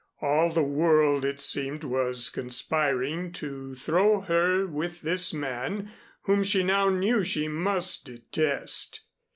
All the world, it seemed, was conspiring to throw her with this man whom she now knew she must detest.